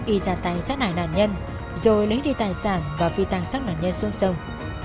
y ra tay sát nải nạn nhân rồi lấy đi tài sản và phi tăng sát nạn nhân xuống sông